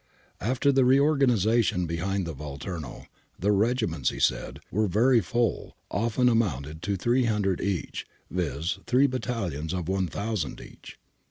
After the reorganisation behind the Vol turno, the regiments, he said, were very full, often amount ing to 3000 each, viz. three battalions of 1000 each.